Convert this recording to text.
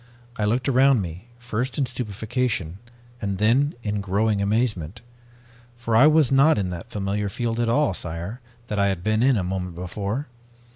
I looked around me, first in stupefaction, and then in growing amazement. For I was not in that familiar field at all, sire, that I had been in a moment before.